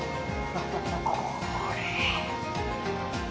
これ。